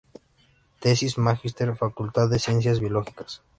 Tesis Magíster Facultad de Ciencias Biológicas.